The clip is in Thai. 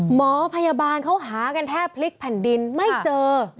หมอพยาบาลเขาหากันแทบพลิกแผ่นดินไม่เจอ